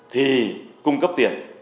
thì cung cấp tiền